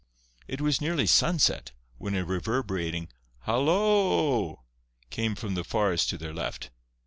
It was nearly sunset when a reverberating "hal lo o o!" came from the forest to their left.